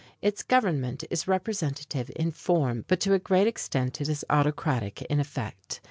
Its government is representative in form, but to a great extent it is autocratic in effect.